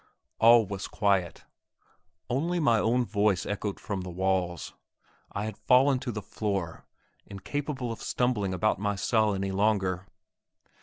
All was quiet; only my own voice echoed from the walls. I had fallen to the floor, incapable of stumbling about the cell any longer.